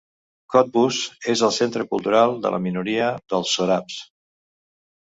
Cottbus és el centre cultural de la minoria dels sòrabs.